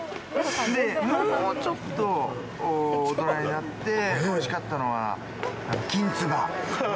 もうちょっと大人になっておいしかったのは、きんつば。